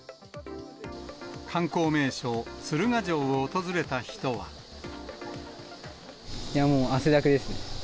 観光名所、いや、もう汗だくですね。